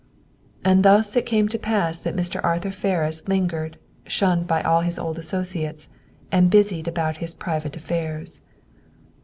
And thus it came to pass that Mr. Arthur Ferris lingered, shunned by all his old associates, and busied about his private affairs.